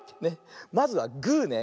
まずはグーね。